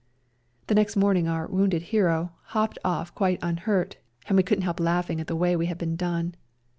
The next morning our " wounded hero " hopped off quite unhurt, and we couldn't help laughing at the way we had been done.